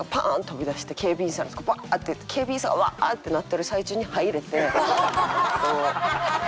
飛び出して警備員の所バーッ！っていって警備員さんがワーッ！ってなってる最中に入れて。